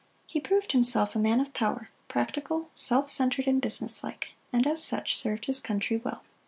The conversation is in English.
He proved himself a man of power practical, self centered and businesslike and as such served his country well.